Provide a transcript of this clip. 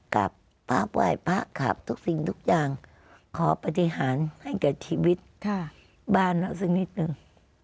กราบพระไหว้พระขับทุกสิ่งทุกอย่างขอปฏิหารให้แก่ชีวิตบ้านเราสักนิดนึง